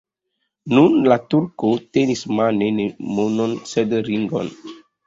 Nun la turko tenis mane ne monon, sed ringon.